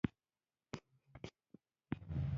ښوروا د خولې خوند ژوندی کوي.